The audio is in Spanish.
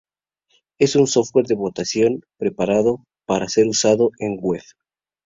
Es un software de votación, preparado para ser usado en web.